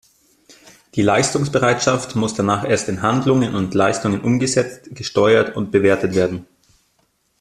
Die Leistungsbereitschaft muss danach erst in Handlungen und Leistungen umgesetzt, gesteuert und bewertet werden.